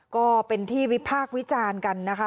ก็เป็นที่วิพากษ์วิจารณ์กันนะคะ